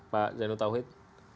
pak zainal tauhid